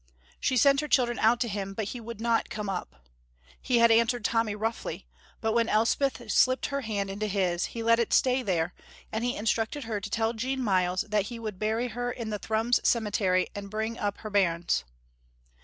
She sent her children out to him, but he would not come up. He had answered Tommy roughly, but when Elspeth slipped her hand into his, he let it stay there, and he instructed her to tell Jean Myles that he would bury her in the Thrums cemetery and bring up her bairns.